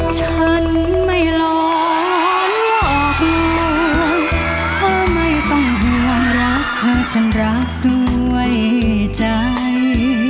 ฉันไม่ร้อนงอกเงาเธอไม่ต้องห่วงรักเธอฉันรักด้วยใจ